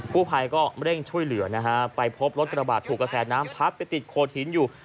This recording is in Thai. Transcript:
ผู้ภัยก็เร่งช่วยเหลือนะฮะไปพบรถกระบาดถูกกระแสน้ำพัดไปติดโขดหินอยู่